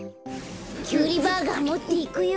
キュウリバーガーもっていくよ。